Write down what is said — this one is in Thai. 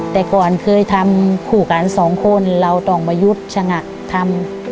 แต่ก่อนเคยทำคู่กันสองคนเราต้องประยุทธ์ชะงะทำ